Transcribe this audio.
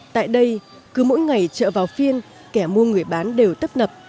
tại đây cứ mỗi ngày chợ vào phiên kẻ mua người bán đều tấp nập